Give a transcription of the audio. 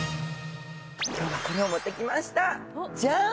今日はこれを持ってきました、ジャーン！